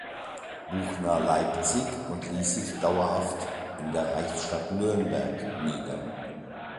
Buchner Leipzig und ließ sich dauerhaft in der Reichsstadt Nürnberg nieder.